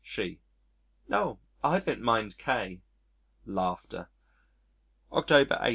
She: "Oh! I don't mind K !" October 8.